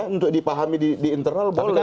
untuk dipahami di internal boleh